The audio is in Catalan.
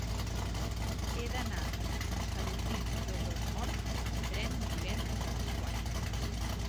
He d'anar a Sant Sadurní d'Osormort amb tren divendres a les quatre.